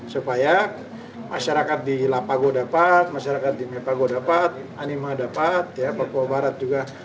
supaya masyarakat di lapago dapat masyarakat di mepago dapat anima dapat ya papua barat juga